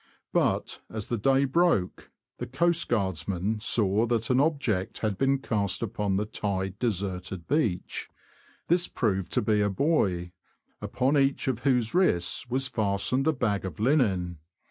But, as day broke, the coastguards men saw that an object had been cast upon the tide deserted beach ; this proved to be a boy, upon each of whose wrists was fastened a bag of linen.